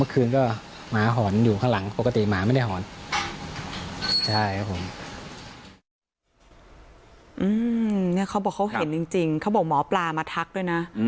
เขาบอกเขาเห็นจริงเขาบอกหมอปลามาทักด้วยนะ